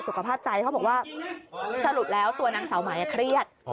สุขภาพใจเขาบอกว่าสรุปแล้วตัวนางสาวหมายเครียด